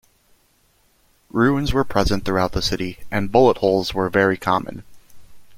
Ruins were present throughout the city, and bullet holes were very common.